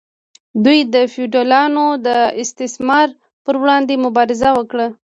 دوی د فیوډالانو د استثمار پر وړاندې مبارزه وکړه.